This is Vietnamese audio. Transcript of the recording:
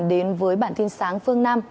đến với bản tin sáng phương nam